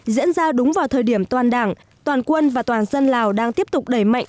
diễn ra đúng vào thời điểm toàn đảng toàn quân và toàn dân lào đang tiếp tục đẩy mạnh